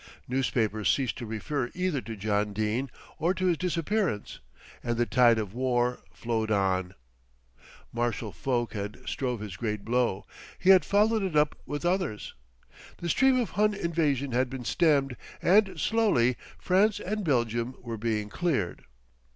Newspapers ceased to refer either to John Dene, or to his disappearance, and the tide of war flowed on. Marshal Foch had struck his great blow, and had followed it up with others. The stream of Hun invasion had been stemmed, and slowly France and Belgium were being cleared.